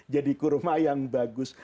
jadi kurma yang bagus